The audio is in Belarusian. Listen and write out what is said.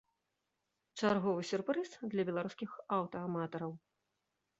Чарговы сюрпрыз для беларускіх аўтааматараў.